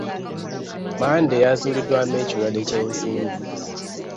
Mmande yazuuliddwamu ekirwadde ky'ensimbu.